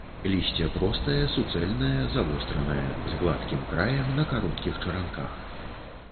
Лісце простае, суцэльнае, завостранае, з гладкім краем, на кароткіх чаранках.